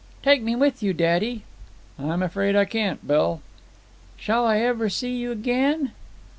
"Take me with you, daddy." "I'm afraid I can't, Bill." "Shan't I ever see you again?"